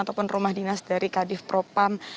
ataupun rumah dinas dari kadif propam